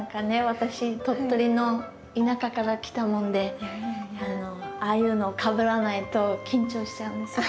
私鳥取の田舎から来たもんでああいうのをかぶらないと緊張しちゃうんですよ。